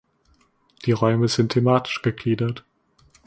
Die Räume sind thematisch gegliedert.